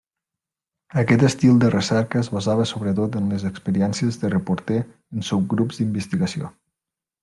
Aquest estil de recerca es basava sobretot en les experiències de reporter en subgrups d'investigació.